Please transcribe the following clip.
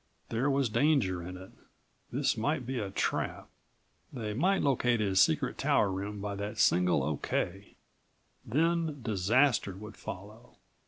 There was danger in it. This might be a trap. They might locate his secret tower room by that single O.K. Then disaster would follow.